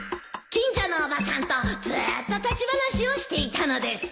近所のおばさんとずーっと立ち話をしていたのです